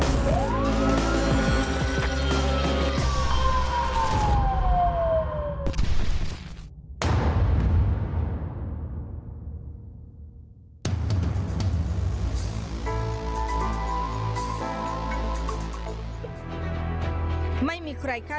จุดฝังศพสมเนติศาสตร์จังหวัดนครศรีธรรมราช